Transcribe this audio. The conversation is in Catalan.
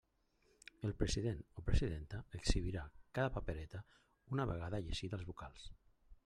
El president o presidenta exhibirà cada papereta una vegada llegida als vocals.